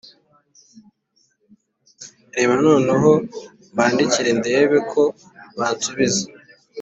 Reka noneho mbandikire ndebe ko bansubiza